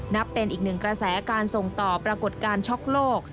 นับเป็นอีกหนึ่งกระแสการส่งต่อปรากฏการณ์ช็อกโลก